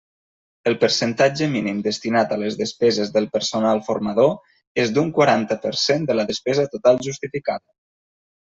El percentatge mínim destinat a les despeses del personal formador és d'un quaranta per cent de la despesa total justificada.